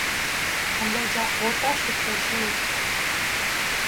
Amboja'óta chupe che yvy.